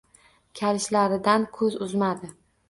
Kalishlaridan ko‘z uzmadi.